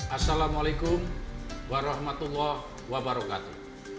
assalamu'alaikum warahmatullahi wabarakatuh